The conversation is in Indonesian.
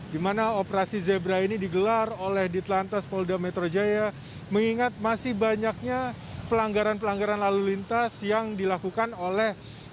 di mana operasi zebra ini digelar oleh ditlantas polda metro jaya mengingat masih banyaknya pelanggaran pelanggaran lalu lintas yang dilakukan oleh